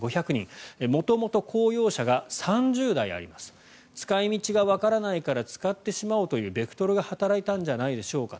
元々、公用車が３０台あります使い道がわからないから使ってしまおうというベクトルが働いたんじゃないでしょうか。